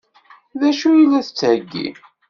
D acu i la d-tettheggi?